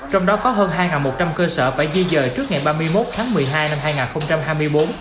trong đó có hơn hai một trăm linh cơ sở phải di dời trước ngày ba mươi một tháng một mươi hai năm hai nghìn hai mươi bốn